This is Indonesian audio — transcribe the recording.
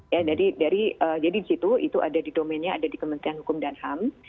ya dari jadi disitu itu ada di domennya ada di kementerian hukum dan ham